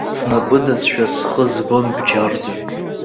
Снапыдазшәа схы збон бџьарда.